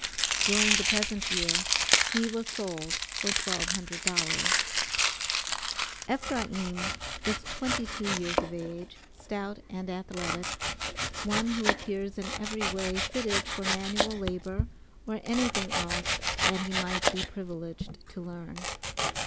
During the present year, he was sold for $1200. Ephraim is twenty two years of age, stout and athletic, one who appears in every way fitted for manual labor or anything else that he might be privileged to learn.